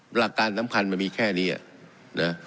ประการสำคัญมันมีแค่นี้อ่ะนะ